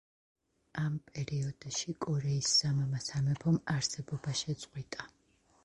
ამ პერიოდში კორეის სამმა სამეფომ არსებობა შეწყვიტა.